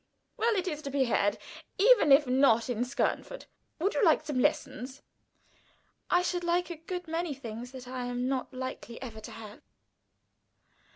"Humph! Well, it is to be had, even if not in Skernford. Would you like some lessons?" "I should like a good many things that I am not likely ever to have."